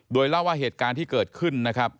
โดยเล่าว่าเหตุการณ์ที่เกิดขึ้นนะครับ